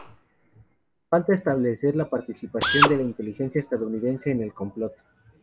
Falta establecer la participación de la inteligencia estadounidense en el complot.